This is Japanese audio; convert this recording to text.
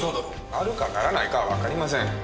なるかならないかはわかりません。